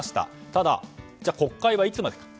ただ、国会はいつまでか。